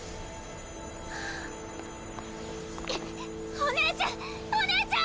お姉ちゃんお姉ちゃん！